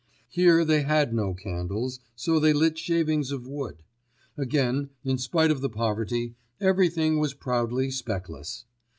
Here they had no candles, so they lit shavings of wood. Again, in spite of the poverty, everything was proudly speckless.